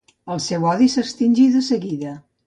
El seu odi s'extingí de seguida.